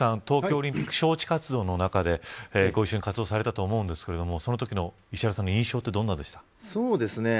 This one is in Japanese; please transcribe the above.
東京オリンピック招致活動の中でご一緒に活動されたと思うんですけどそのときの石原さんの印象はどうでしたか。